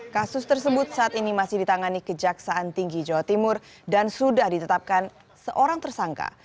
kasus tersebut saat ini masih ditangani kejaksaan tinggi jawa timur dan sudah ditetapkan seorang tersangka